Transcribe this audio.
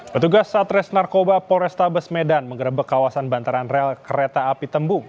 petugas satres narkoba polrestabes medan mengerebek kawasan bantaran rel kereta api tembung